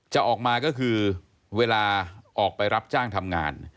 จะออกมาก็คือเวลาออกไปรับจ้างทำงาน